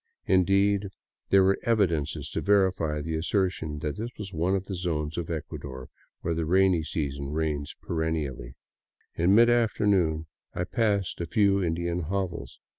Indeed there were evidences to verify the assertion that this was one of the zones of Ecuador where the rainy season reigns perennially. In midafternoon I passed a few Indian hovels.